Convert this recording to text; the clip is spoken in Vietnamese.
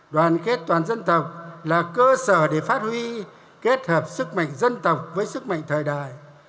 đoàn kết toàn dân tộc là cơ sở để phát huy kết hợp sức mạnh dân tộc với sức mạnh thời đại